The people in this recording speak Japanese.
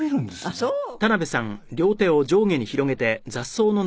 あっそう。